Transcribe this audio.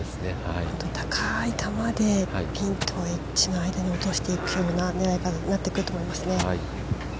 高い球で、ピンとエッジの間に落としていくような狙いになってくると思いますね。